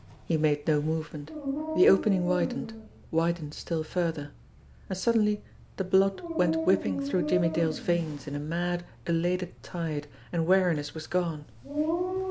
He made no movement. The opening widened, widened still further and suddenly the blood went whipping through Jimmie Dale's veins in a mad, elated tide, and weariness was gone.